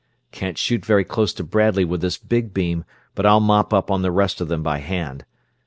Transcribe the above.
"Can't shoot very close to Bradley with this big beam, but I'll mop up on the rest of them by hand.